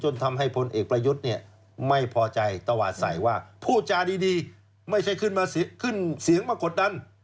จนทำให้พลเอกประยุทธ์ไม่พอใจตวาดใสว่าพูดจาดีไม่ใช่ขึ้นเสียงมากดดัน